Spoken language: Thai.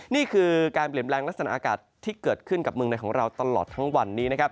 นี่คือการเปลี่ยนแปลงลักษณะอากาศที่เกิดขึ้นกับเมืองในของเราตลอดทั้งวันนี้นะครับ